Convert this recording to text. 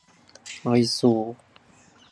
愛想